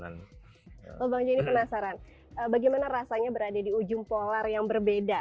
bang jenny penasaran bagaimana rasanya berada di ujung polar yang berbeda